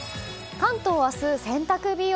関東、明日、洗濯日和。